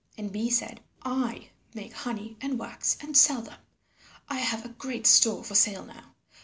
And Bee said, "I make honey and wax and sell them. I have a great store for sale now.